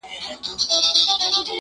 o دوست به دي وژړوي، دښمن به دي و خندوي!